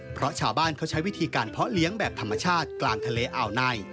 เพราะชาวบ้านเขาใช้วิธีการเพาะเลี้ยงแบบธรรมชาติกลางทะเลอ่าวใน